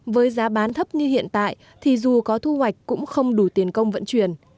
với giá bán thấp như hiện tại thì dù có thu hoạch cũng không đủ tiền công vận chuyển